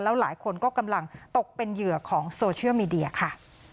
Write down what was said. หลายคนก็กำลังตกเป็นเหยื่อของโซเชียลมีเดียค่ะ